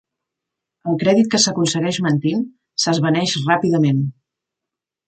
El crèdit que s'aconsegueix mentint, s'esvaneix ràpidament.